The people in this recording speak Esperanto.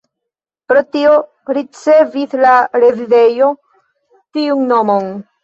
Pro tio ricevis la rezidejo tiun nomon.